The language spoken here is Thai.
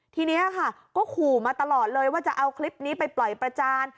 ทีนี้ค่ะก็ขู่มาตลอดเลยว่าจะเอาคลิปนี้ไปปล่อยประจาน